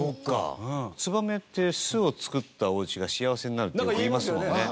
ツバメって巣を作ったおうちが幸せになるってよくいいますもんね。